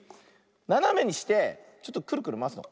ななめにしてちょっとくるくるまわすの。